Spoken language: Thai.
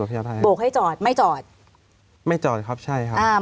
บวกให้จอดไม่จอดไม่จอดครับใช่ครับ